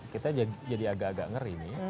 kita jadi agak agak ngeri nih